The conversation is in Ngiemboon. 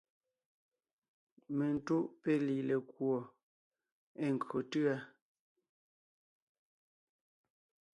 Mentúʼ péli lekùɔ ée nkÿo tʉ̂a.